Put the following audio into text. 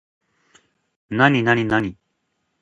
なになになに